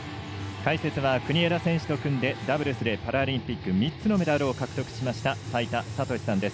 解説は国枝選手と組んでダブルスでパラリンピック３つのメダルを獲得しました齋田悟司さんです。